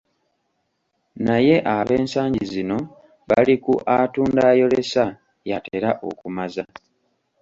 Naye ab'ensangi zino bali ku, "Atunda ayolesa yatera okumaza".